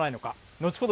後ほど